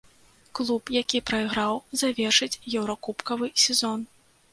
Клуб, які прайграў, завершыць еўракубкавы сезон.